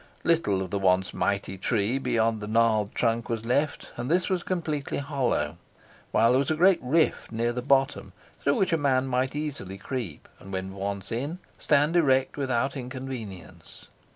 Little of the once mighty tree beyond the gnarled trunk was left, and this was completely hollow; while there was a great rift near the bottom through which a man might easily creep, and, when once in, stand erect without inconvenience.